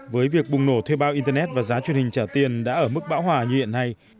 với việc bùng nổ thuê bao internet và giá truyền hình trả tiền đã ở mức bão hòa như hiện nay